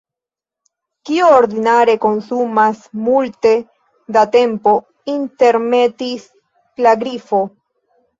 "Kio ordinare konsumas multe da tempo," intermetis la Grifo.